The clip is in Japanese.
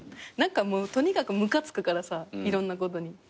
何かもうとにかくムカつくからさいろんなことに。